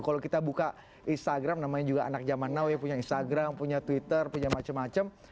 kalau kita buka instagram namanya juga anak zaman now ya punya instagram punya twitter punya macam macam